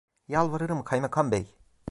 Yalvarırım kaymakam bey…